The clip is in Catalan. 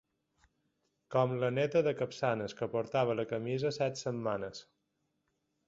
Com la Neta de Capçanes, que portava la camisa set setmanes.